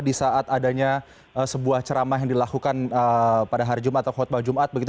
di saat adanya sebuah ceramah yang dilakukan pada hari jumat atau khutbah jumat begitu